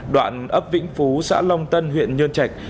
đoạn ấp vĩnh phú xã long tân huyện nhơn trạch